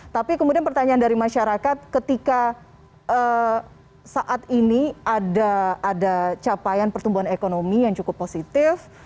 tapi kemudian pertanyaan dari masyarakat ketika saat ini ada capaian pertumbuhan ekonomi yang cukup positif